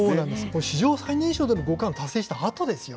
これ、史上最年少での五冠達成したあとですよ。